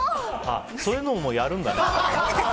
そういうのもやるんだね。